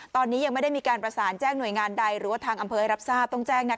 ตอนนี้ยังไม่ได้มีการประสานแจ้งหน่วยงานใดหรือว่าทางอำเภอให้รับทราบต้องแจ้ง